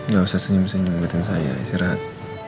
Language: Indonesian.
gak usah senyum senyum buatin saya istirahat